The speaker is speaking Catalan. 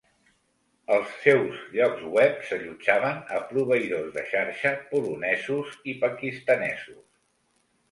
Els seus llocs web s'allotjaven a proveïdors de xarxa polonesos i pakistanesos.